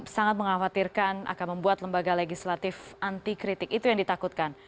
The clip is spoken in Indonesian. sangat mengkhawatirkan akan membuat lembaga legislatif anti kritik itu yang ditakutkan